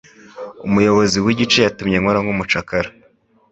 Umuyobozi w'igice yatumye nkora nk'umucakara.